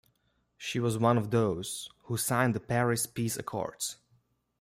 She was one of those who signed the Paris Peace Accords.